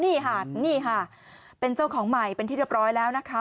นี่ค่ะนี่ค่ะเป็นเจ้าของใหม่เป็นที่เรียบร้อยแล้วนะคะ